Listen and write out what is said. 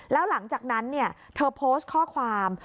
แล้วหลังจากนั้นเธอโพสต์ข้อความ